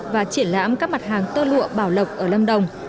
và triển lãm các mặt hàng tơ lụa bảo lộc ở lâm đồng